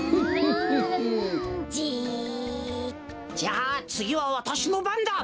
じゃあつぎはわたしのばんだ。